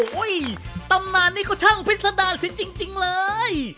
โอ้โฮตำนานนี้ก็ช่างพิษฎาลสิจริงเลย